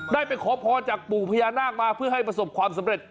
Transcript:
ไปขอพรจากปู่พญานาคมาเพื่อให้ประสบความสำเร็จ